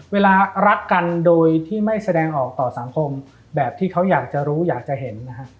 เวลารักกันโดยที่ไม่แสดงออกต่อสังคมแบบที่เขาอยากจะรู้อยากจะเห็นนะฮะ